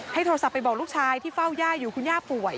โทรศัพท์ไปบอกลูกชายที่เฝ้าย่าอยู่คุณย่าป่วย